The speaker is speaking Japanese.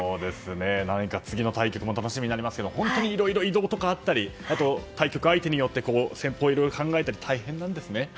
何か次の対局も楽しみになりますが本当にいろいろ移動とかあったり対局相手によって戦法を考えたり大変なんですね。